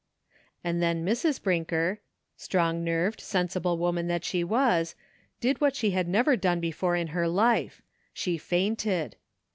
And then Mrs. Brinker, strong nerved, sensible woman that she was, did what she had never done be fore in her life, she fainted.